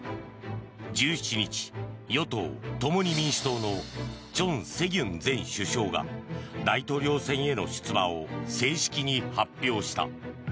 １７日、与党・共に民主党のチョン・セギュン前首相が大統領選への出馬を正式に発表した。